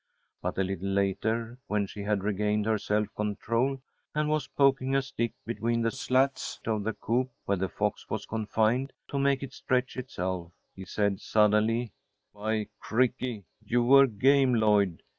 But a little later, when she had regained her self control and was poking a stick between the slats of the coop where the fox was confined, to make it stretch itself, he said, suddenly: "By cricky, you were game, Lloyd!